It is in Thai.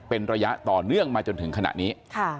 เป็นระยะต่อเนื่องมาจนถึงขณะนี้